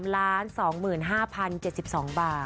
๓ล้าน๒๕๐๗๒บาท